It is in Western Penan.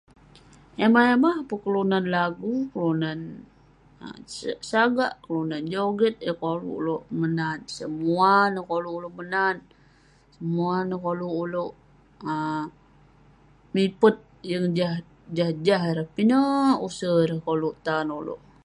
Emah-emah pun kelunan lagu, pun kelunan sagak, kelunan joget, yah koluk ulouk menat. Semuah neh koluk ulouk menat, semuah neh koluk ulouk uh mipet. Yeng jah- jah-jah ireh, pinek use ireh koluk tan ulouk.